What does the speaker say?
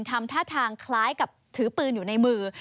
ทำท่าทางคล้ายกับถือปืนอยู่ในมือ